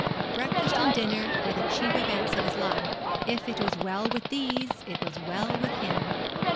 Breakfast and dinner were the chief events of his life if it was well with these it was well with him.